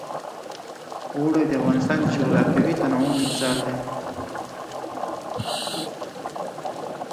اوړي د افغانستان د جغرافیوي تنوع مثال دی.